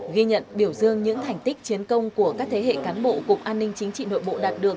ghi nhận biểu dương những thành tích chiến công của các thế hệ cán bộ cục an ninh chính trị nội bộ đạt được